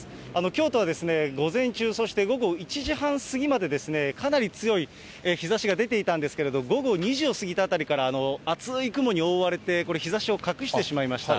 京都は、午前中、そして午後１時間半過ぎまで、かなり強い日ざしが出ていたんですけれども、午後２時を過ぎたあたりから、厚い雲に覆われて、これ、日ざしを隠してしまいました。